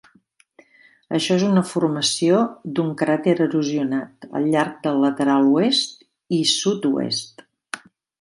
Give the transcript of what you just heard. Això és una formació d"un cràter erosionat al llarg del lateral oest i sud-oest.